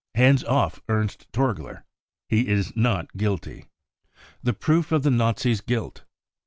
44 Hands off Ernst Torgler, he is not guilty !" The proof of the Nazis* guilt.